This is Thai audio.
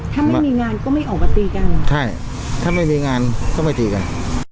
ถ้าไม่มีงานก็ไม่ออกมาตีกันใช่ถ้าไม่มีงานก็ไม่ตีกัน